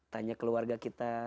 tanya keluarga kita